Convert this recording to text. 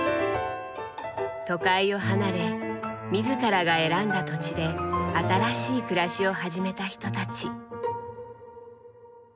都会を離れ自らが選んだ土地で新しい暮らしを始めた人たち。